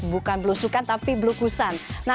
bukan belusukan tapi belukusan